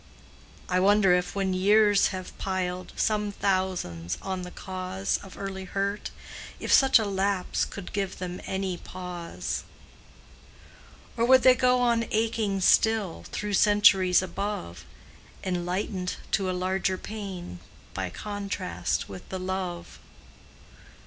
I wonder if when years have piled Some thousands on the cause Of early hurt, if such a lapse Could give them any pause; Or would they go on aching still Through centuries above, Enlightened to a larger pain By contrast with the love.